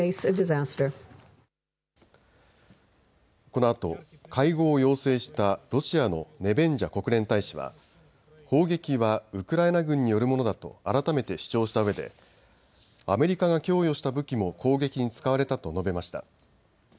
このあと会合を要請したロシアのネベンジャ国連大使は砲撃はウクライナ軍によるものだと改めて主張したうえでアメリカが供与した武器も攻撃に使われたと述べました。